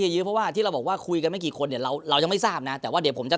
เยอะเพราะว่าที่เราบอกว่าคุยกันไม่กี่คนเนี่ยเราเรายังไม่ทราบนะแต่ว่าเดี๋ยวผมจะ